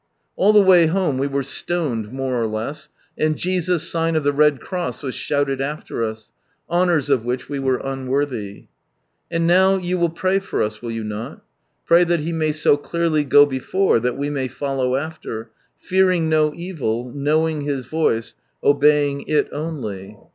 All the way home we were stoned more or less, and " Jesus, Sign of the Red Cross !" was shouted after us— honours of which we were unworthy. And now you will pray for us, will you not ? Pray that He may so clearly go before that we may follow after, fearing no evil, knowing His voice, obeying it only.